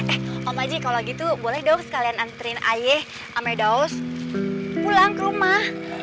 eh om aji kalau gitu boleh dong sekalian anterin aji ame daus pulang ke rumah